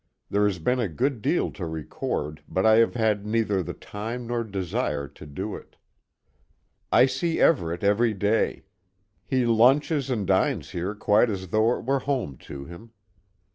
There has been a good deal to record, but I have had neither the time nor desire to do it. I see Everet every day. He lunches and dines here quite as though it were home to him.